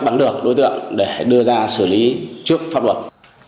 bắn được đối tượng để đưa ra xử lý trước pháp luật